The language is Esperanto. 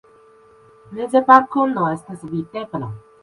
Meze balkono estas videbla.